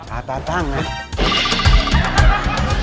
อาตาตั้งนะ